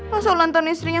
mas awas lantauan istrinya